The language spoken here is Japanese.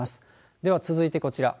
では続いてこちら。